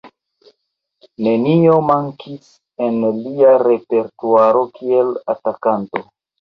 Nenio mankis en lia repertuaro kiel atakanto.